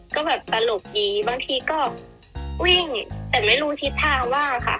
ก็แบบตลกดีบางทีก็วิ่งแต่ไม่รู้ทิศทางว่าค่ะ